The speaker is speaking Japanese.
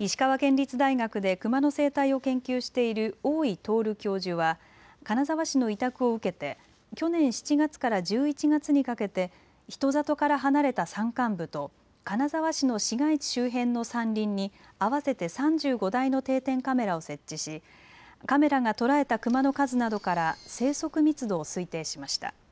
石川県立大学でクマの生態を研究している大井徹教授は金沢市の委託を受けて去年７月から１１月にかけて人里から離れた山間部と金沢市の市街地周辺の山林に合わせて３５台の定点カメラを設置しカメラが捉えたクマの数などから生息密度を推定しました。